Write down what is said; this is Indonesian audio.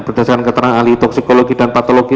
berdasarkan keterangan ahli toksikologi dan patologi